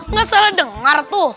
nggak salah dengar tuh